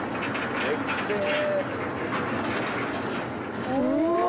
でっけえ。